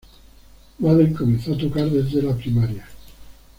Madden comenzó a tocar desde la primaria.